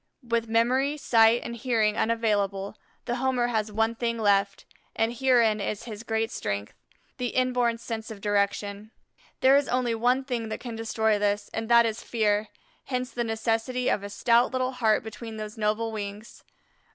With memory, sight, and hearing unavailable, the Homer has one thing left, and herein is his great strength, the inborn sense of direction. There is only one thing that can destroy this, and that is fear, hence the necessity of a stout little heart between those noble wings.